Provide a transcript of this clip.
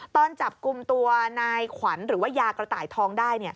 ตอนจับกลุ่มตัวนายขวัญหรือว่ายากระต่ายทองได้